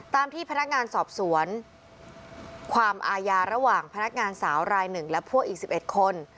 ตามที่พนักงานสอบสวนความอาญาระหว่างพนักงานสาวรายหนึ่งและพวกอีก๑๑คน